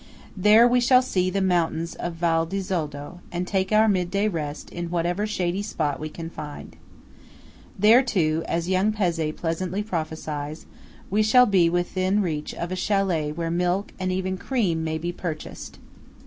There we shall see the mountains of Val di Zoldo, and take our midday rest in whatever shady spot we can find. There too, as young Pezzé pleasantly prophesies, we shall be within reach of a châlet where milk, and even cream, may be purchased.